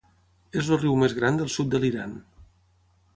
És el riu més gran del sud de l'Iran.